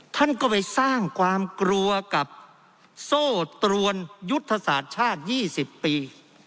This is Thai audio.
ท่านก็ไปสร้างความกลัวกับโซ่ตรวนยุทธศาสตร์ชาติ๒๐ปี